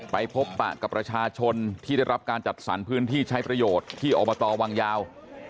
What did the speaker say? ไปพบปะกับประชาชนที่ได้รับการจัดสรรพื้นที่ใช้ประโยชน์ที่อบตวังยาว